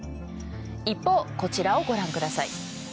一方こちらをご覧ください。